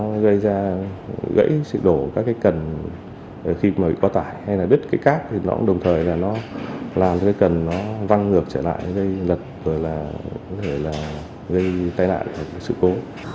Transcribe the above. nó gây ra gãy sự đổ các cái cần khi mà bị quá tải hay là đứt cái cát thì nó cũng đồng thời là nó làm cái cái cần nó văng ngược trở lại gây lật gây tai nạn gây sự cố